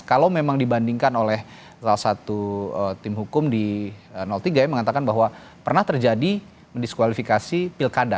kalau memang dibandingkan oleh salah satu tim hukum di tiga yang mengatakan bahwa pernah terjadi mendiskualifikasi pilkada